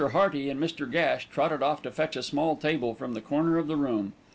Hearty and Mr. Gash trotted off to fetch a small table from the corner of the room.